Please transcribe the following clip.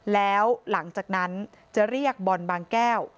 แล้วหลังจากนั้นจะเรียกบอลบางแก้ว